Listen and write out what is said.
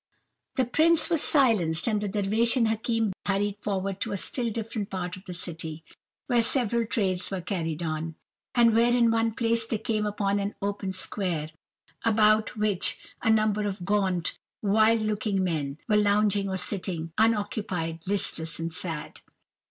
"The prince was silenced, and the Dervish and Hakim hurried forward to a still different part of the city, where several trades were carried on, and where in one place they came upon an open square, about which a number of gaunt, wild looking men, were lounging or sitting; unoccupied, listless, and sad.